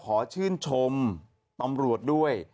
ปฐมตำรวจด้วย